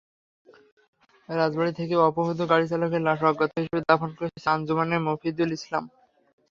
রাজবাড়ী থেকে অপহূত গাড়িচালকের লাশ অজ্ঞাত হিসেবে দাফন করেছে আঞ্জুমানে মুফিদুল ইসলাম।